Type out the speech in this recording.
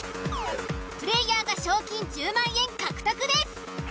プレイヤーが賞金１０万円獲得です。